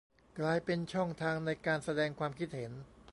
กลายเป็นช่องทางในการแสดงความคิดเห็น